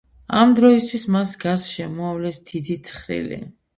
ამ დროისთვის მას გარს შემოავლეს დიდი თხრილი.